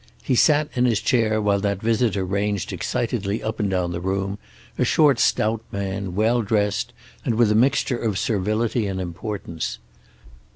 He sat in his chair while that visitor ranged excitedly up and down the room, a short stout man, well dressed and with a mixture of servility and importance.